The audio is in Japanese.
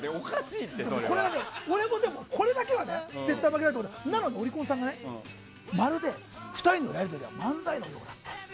って俺もこれだけは絶対に負けないと思うんだけどオリコンさんがまるで２人のライブは漫才のようだった。